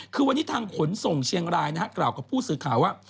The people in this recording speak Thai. คือวันนี้ทางขนส่งเชียงรายนะฮะกล่าวกับผู้สื่อข่าวว่า